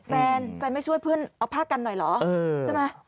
แซนแฟนไม่ช่วยเพื่อนเอาผ้ากันหน่อยเหรอใช่ไหม